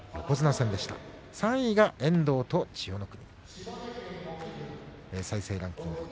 そして３位が遠藤と千代の国。